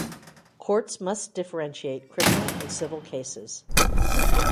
Courts must differentiate criminal and civil cases.